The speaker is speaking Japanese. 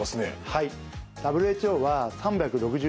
はい。